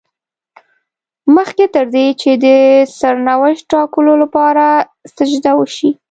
مخکې تر دې چې د سرنوشت ټاکلو لپاره سجده وشي.